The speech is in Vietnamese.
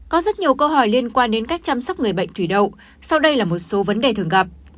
có rất nhiều câu hỏi liên quan đến cách chăm sóc người bệnh thủy đậu sau đây là một số vấn đề thường gặp